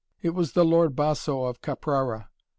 It was the Lord Boso of Caprara.